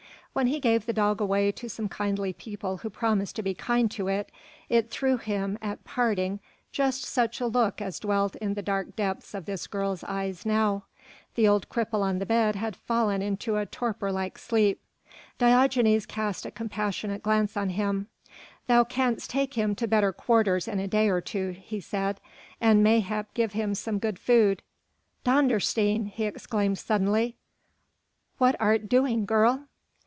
When he gave the dog away to some kindly people who promised to be kind to it, it threw him, at parting, just such a look as dwelt in the dark depths of this girl's eyes now. The old cripple on the bed had fallen into a torpor like sleep. Diogenes cast a compassionate glance on him. "Thou canst take him to better quarters in a day or two," he said, "and mayhap give him some good food.... Dondersteen!" he exclaimed suddenly, "what art doing, girl?"